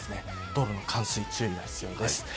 道路の冠水に注意が必要です。